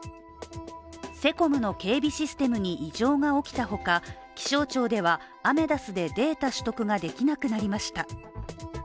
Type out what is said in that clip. セコムの警備システムに異常が起きたほか、気象庁ではアメダスでデータ取得ができなくなりました。